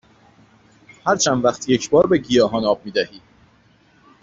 هر چند وقت یک بار به گیاهان آب می دهی؟